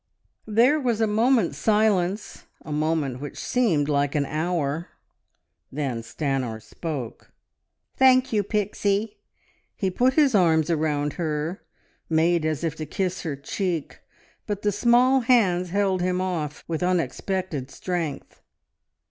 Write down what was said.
There was a moment's silence, a moment which seemed like an hour. Then Stanor spoke "Thank you, Pixie!" He put his arms round her, made as if to kiss her cheek, but the small hands held him off with unexpected strength.